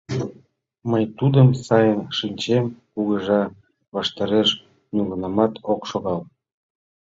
Мый тудым сайын шинчем, кугыжа ваштареш нигунамат ок шогал.